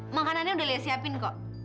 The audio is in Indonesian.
makanannya udah dia siapin kok